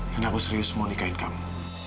dan aku serius mau nikahin kamu